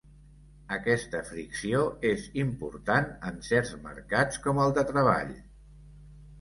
Aquesta fricció és important en certs mercats, com el de treball.